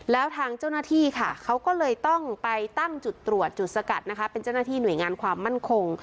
แล้วทางเจ้าหน้าที่ค่ะเขาก็เลยต้องไปตั้งจุดตรวจจุดสกัดนะคะเป็นเจ้าหน้าที่หน่วยงานความมั่นคง